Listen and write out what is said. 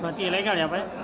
berarti ilegal ya pak